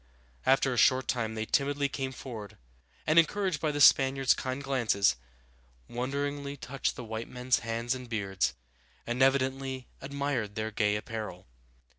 After a short time they timidly came forward, and, encouraged by the Spaniards' kind glances, wonderingly touched the white men's hands and beards, and evidently admired their gay apparel.